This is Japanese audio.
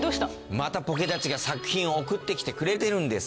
またポケだちが作品を送ってきてくれてるんですよ。